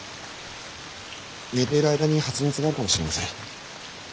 寝ている間に発熱があるかもしれません。